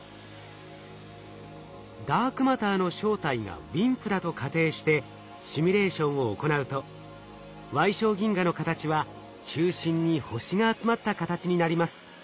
ダークマターの正体がＷＩＭＰだと仮定してシミュレーションを行うと矮小銀河の形は中心に星が集まった形になります。